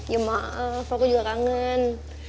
ya maaf aku juga kangen